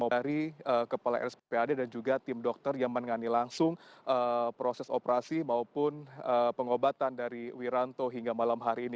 dari kepala rspad dan juga tim dokter yang menangani langsung proses operasi maupun pengobatan dari wiranto hingga malam hari ini